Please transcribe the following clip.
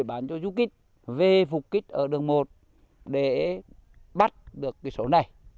bán cho du kích về phục kích ở đường một để bắt được cái số này